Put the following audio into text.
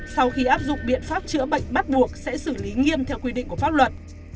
sau khi áp dụng biện pháp chữa bệnh bắt buộc sẽ xử lý nghiêm theo quy định của pháp luật